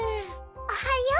おはよう。